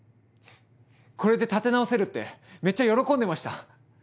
これで立て直せるってめっちゃ喜んでました。